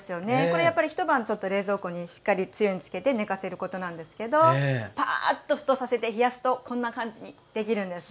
これやっぱり一晩ちょっと冷蔵庫にしっかりつゆに漬けて寝かせることなんですけどパーッと沸騰させて冷やすとこんな感じにできるんです。